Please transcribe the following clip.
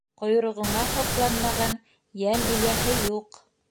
Ҡойроғоңа һоҡланмаған йән эйәһе юҡ.